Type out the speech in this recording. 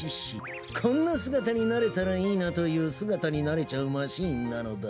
こんなすがたになれたらいいなというすがたになれちゃうマシーンなのだ。